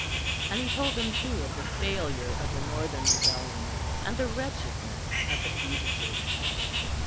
And he told them, too, of the failure of the Northern Rebellion, and the wretchedness of the fugitives.